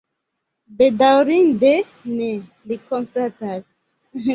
Bedaŭrinde ne, li konstatas.